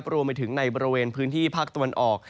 รวมไปถึงในบริเวณพื้นที่ภาคตะวันออก